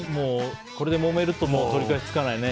これでもめると取り返しつかないね。